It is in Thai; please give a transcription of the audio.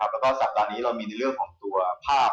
แล้วก็สัปดาห์นี้เรามีในเรื่องของตัวภาพ